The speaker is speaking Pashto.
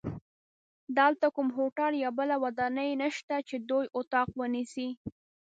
دلته کوم هوټل یا بله ودانۍ نشته چې دوی اتاق ونیسي.